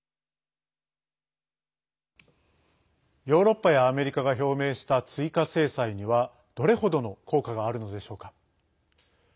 ヨーロッパやアメリカが表明した追加制裁にはどれほどの効果があるのでしょうか。